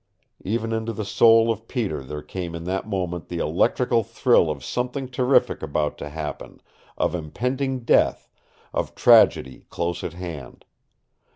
Even into the soul of Peter there came in that moment the electrical thrill of something terrific about to happen, of impending death, of tragedy close at hand.